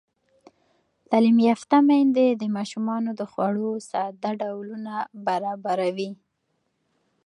تعلیم یافته میندې د ماشومانو د خوړو ساده ډولونه برابروي.